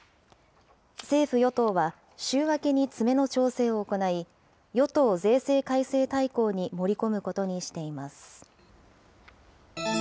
政府・与党は、週明けに詰めの調整を行い、与党税制改正大綱に盛り込むことにしています。